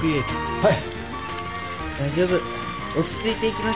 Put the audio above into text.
はい。